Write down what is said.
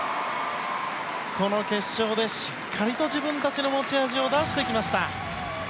この決勝でしっかりと自分たちの持ち味を出してきました。